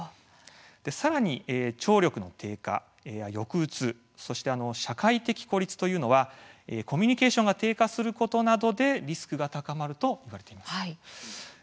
さらに聴力の低下、抑うつ社会的孤立というのはコミュニケーションが低下することなどでリスクが高まるといわれています。